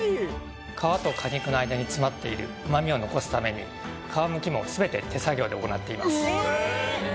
皮と果肉の間に詰まっている旨味を残すために皮むきも全て手作業で行っています